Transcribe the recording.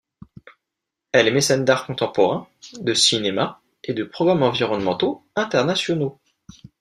Elle est mécène d'art contemporain, de cinéma et de programmes environnementaux internationaux.